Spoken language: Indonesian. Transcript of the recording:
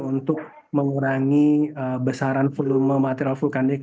untuk mengurangi besaran volume material vulkanik